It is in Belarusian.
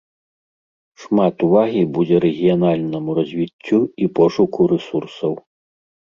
Шмат увагі будзе рэгіянальнаму развіццю і пошуку рэсурсаў.